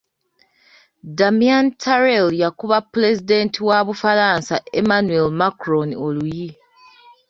Damien Tarel yakuba Pulezidenti wa Bufalansa Emmanuel Macron oluyi.